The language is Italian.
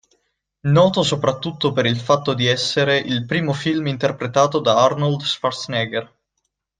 Noto soprattutto per il fatto di essere il primo film interpretato da Arnold Schwarzenegger.